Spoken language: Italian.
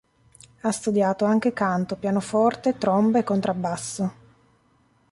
Ha studiato anche canto, pianoforte, tromba e contrabbasso.